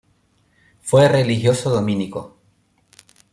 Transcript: Fue religioso dominico.